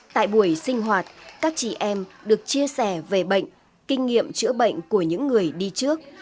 tại buổi sinh hoạt các chị em được chia sẻ về bệnh kinh nghiệm chữa bệnh của những người đi trước